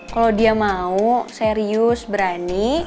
kalau dia mau serius berani